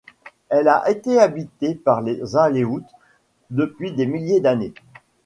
Elle a été habitée par les Aléoutes depuis des milliers d'années.